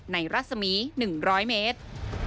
ในรัศมีย์๑๐๐เมตร